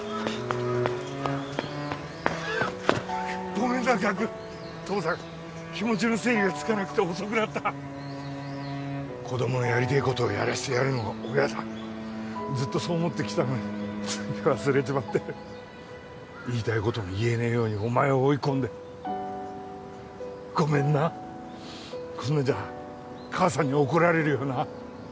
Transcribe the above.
ごめんな岳父さん気持ちの整理がつかなくて遅くなった子どものやりてえことをやらせてやるのが親だずっとそう思ってきたのについ忘れちまって言いたいことも言えねえようにお前を追いこんでごめんなこんなんじゃ母さんに怒られるよな